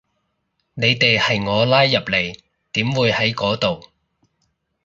你哋係我拉入嚟，點會喺嗰度